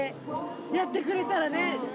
やってくれたらね。